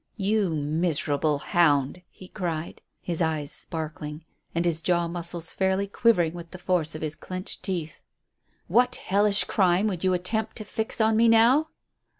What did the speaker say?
"You miserable hound!" he cried, his eyes sparkling, and his jaw muscles fairly quivering with the force of his clenching teeth. "What hellish crime would you attempt to fix on me now?"